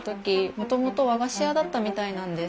もともと和菓子屋だったみたいなんです。